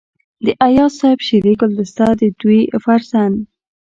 د اياز صيب شعري ګلدسته دَ دوي فرزند